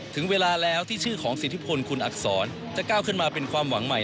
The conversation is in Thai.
ถึงเวลาแล้วที่ชื่อของสิทธิพลคุณอักษรจะก้าวขึ้นมาเป็นความหวังใหม่